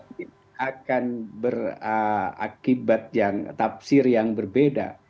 ini akan berakibat yang tafsir yang berbeda